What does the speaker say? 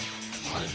はい。